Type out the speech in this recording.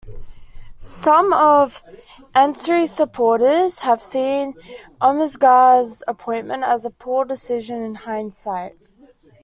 Some of Ansary's supporters have seen Amouzegar's appointment as a poor decision in hindsight.